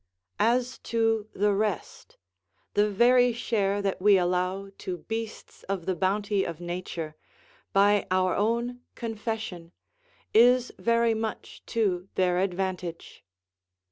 As to the rest, the very share that we allow to beasts of the bounty of nature, by our own confession, is very much to their advantage.